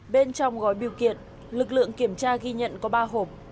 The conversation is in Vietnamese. bên trong gói biểu kiện lực lượng kiểm tra ghi nhận có ba hộp